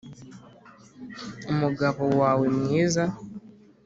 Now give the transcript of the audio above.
umugabo wawe mwiza